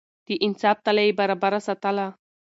د انصاف تله يې برابره ساتله.